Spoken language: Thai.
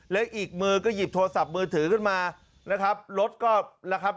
และอีกมือก็หยิบโทรศัพท์มือถือขึ้นมานะครับรถก็แล้วครับ